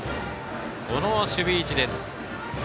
この守備位置です。